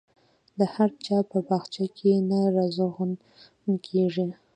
د هر چا په باغچه کې نه رازرغون کېږي.